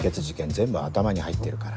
全部頭に入ってるから。